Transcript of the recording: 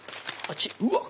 うわっ！